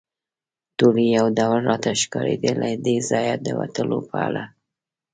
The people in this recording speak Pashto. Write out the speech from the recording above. ټولې یو ډول راته ښکارېدې، له دې ځایه د وتلو په اړه.